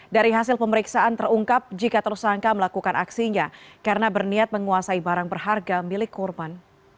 dari hasil pemeriksaan terungkap jika tersangka melakukan aksinya karena berniat menguasai barang berharga milik korban